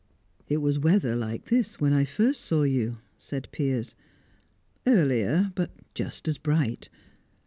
"It was weather like this when I first saw you," said Piers. "Earlier, but just as bright.